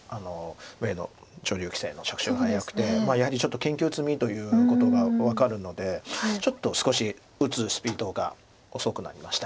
上野女流棋聖の着手が早くてやはりちょっと研究済みということが分かるのでちょっと少し打つスピードが遅くなりました。